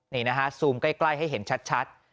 นี่นะฮะซูมใกล้ให้เห็นชัด